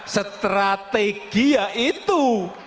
strategi ya itu